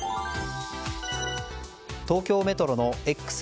東京メトロのＸ